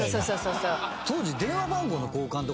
「当時」